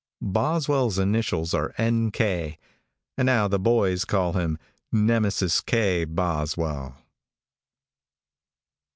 Boswell's initials are N. K., and now the boys call him Nemesis K. Boswell.